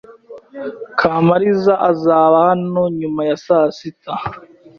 Kamariza azaba hano nyuma ya saa sita.